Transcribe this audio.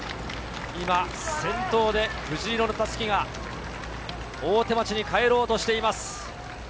先頭で藤色の襷が大手町に帰ろうとしています。